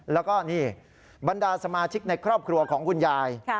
แล้วก็นี่บรรดาสมาชิกในครอบครัวของคุณยาย